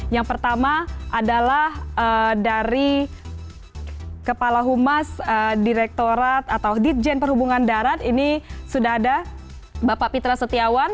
yang pertama adalah dari kepala humas direktorat atau ditjen perhubungan darat ini sudah ada bapak pitra setiawan